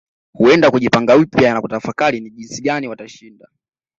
Huenda kujipanga upya na kutafakari ni jinsi gani watashinda